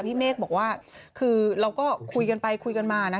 พี่เมฆบอกว่าคือเราก็คุยกันไปคุยกันมานะ